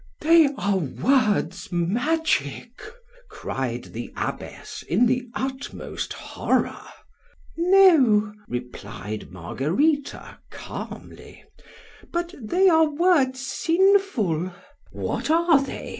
They are words magic! cried the abbess in the utmost horror—No; replied Margarita calmly—but they are words sinful—What are they?